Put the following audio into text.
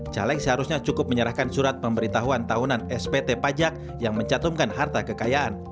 caleg seharusnya cukup menyerahkan surat pemberitahuan tahunan spt pajak yang mencatumkan harta kekayaan